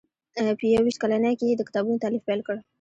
په یو ویشت کلنۍ کې یې د کتابونو تالیف پیل کړ.